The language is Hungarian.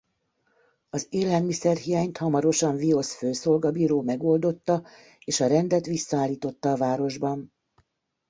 Az élelmiszer hiányt hamarosan Viosz főszolgabíró megoldotta és a rendet visszaállította a városban.